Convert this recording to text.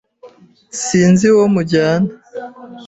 Sinzi uwo mujyana.